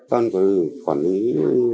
vâng vâng vâng vâng